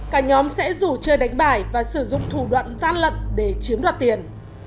cả nhóm sẽ rủ chơi đánh bài và sử dụng thủ đoạn gian lận để chiếm đoạt tiền